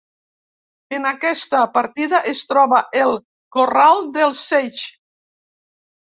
En aquesta partida es troba el Corral del Seix.